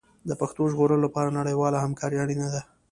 د پښتو د ژغورلو لپاره نړیواله همکاري اړینه ده.